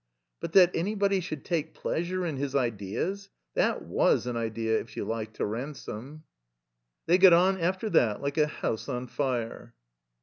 But that anybody should take pleasure in his ideas, that was an idea, if you like, to Ransome. 17 THE COMBINED MAZE They got on after that like a house on fire.